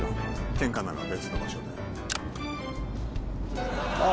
ケンカなら別の場所でああ